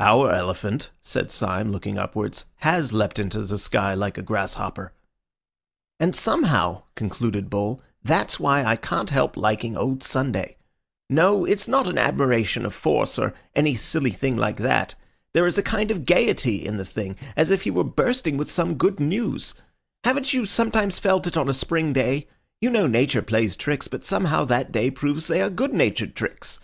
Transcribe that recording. "Our elephant," said Syme, looking upwards, "has leapt into the sky like a grasshopper." "And somehow," concluded Bull, "that's why I can't help liking old Sunday. No, it's not an admiration of force, or any silly thing like that. There is a kind of gaiety in the thing, as if he were bursting with some good news. Haven't you sometimes felt it on a spring day? You know Nature plays tricks, but somehow that day proves they are good natured tricks.